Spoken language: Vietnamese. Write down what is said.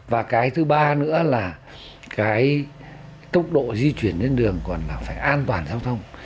và cái thứ ba nữa là cái tốc độ di chuyển lên đường còn bảo phải an toàn giao thông